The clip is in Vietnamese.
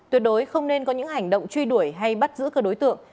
tuyệt đối không nên có những hành động truy đuổi hay bắt giữ các đối tượng